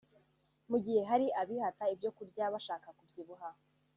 Mu gihe hari abihata ibyo kurya bashaka kubyibuha